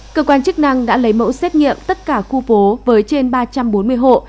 cơ quan chức năng đã lấy mẫu xét nghiệm tất cả khu phố với trên ba trăm bốn mươi hộ